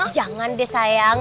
jangan deh sayang